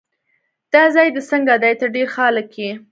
دا ځای دې څنګه دی؟ ته ډېر ښه هلک یې.